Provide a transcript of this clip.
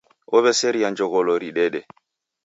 Ow'eseria jogholo ridede.